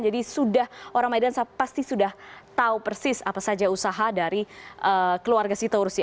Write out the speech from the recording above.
jadi sudah orang medan pasti sudah tahu persis apa saja usaha dari keluarga sitorus